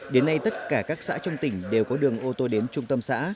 đến nay tất cả các xã trong tỉnh đều có đường ô tô đến trung tâm xã